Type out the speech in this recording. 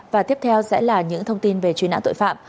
và tiếp theo sẽ là những thông tin về truy nã tội phạm